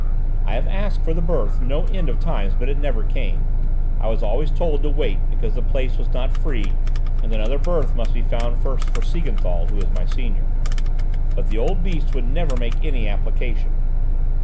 "I have asked for the berth no end of times, but it never came; I was always told to wait because the place was not free, and another berth must be found first for Siegenthal, who was my senior. But the old beast would never make any application.